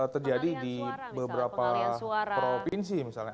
terjadi di beberapa pengalian suara misalnya